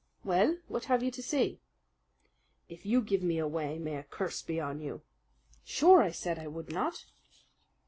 "Well, what have you to say?" "If you give me away, may a curse be on you!" "Sure, I said I would not."